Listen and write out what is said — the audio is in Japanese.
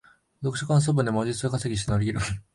読書感想文で文字数稼ぎして乗り切る